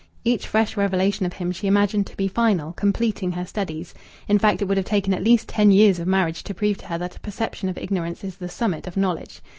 Each fresh revelation of him she imagined to be final, completing her studies. In fact, it would have taken at least ten years of marriage to prove to her that a perception of ignorance is the summit of knowledge.